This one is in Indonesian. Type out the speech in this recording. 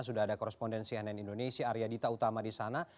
sudah ada korespondensi ann indonesia arya dita utama di sana